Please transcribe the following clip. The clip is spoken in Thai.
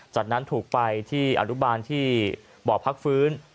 จากนั้นถูกไปที่อนุบาลที่บ่อพักฟื้น